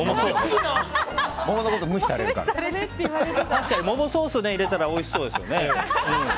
確かに、ももソース入れたらおいしそうですよね。